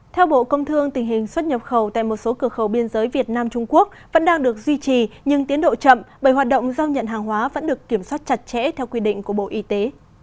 theo bộ công thương tình hình xuất nhập khẩu tại một số cửa khẩu biên giới việt nam trung quốc vẫn đang được duy trì nhưng tiến độ chậm bởi hoạt động giao nhận hàng hóa vẫn được kiểm soát chặt chẽ theo quy định của bộ y tế